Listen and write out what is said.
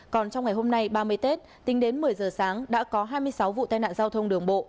còn trong ngày hôm nay ba mươi tết tính đến một mươi giờ sáng đã có hai mươi sáu vụ tai nạn giao thông đường bộ